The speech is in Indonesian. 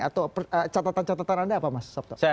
atau catatan catatan anda apa mas sabto